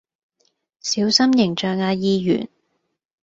小心形象呀議員